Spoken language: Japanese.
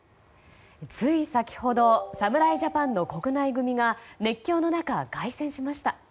つい先ほど侍ジャパンの国内組が熱狂の中、凱旋しました。